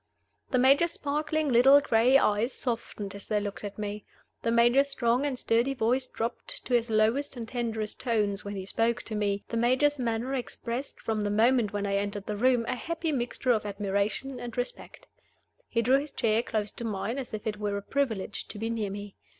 The Major's sparkling little gray eyes softened as they looked at me; the Major's strong and sturdy voice dropped to its lowest and tenderest tones when he spoke to me; the Major's manner expressed, from the moment when I entered the room, a happy mixture of admiration and respect. He drew his chair close to mine, as if it were a privilege to be near me.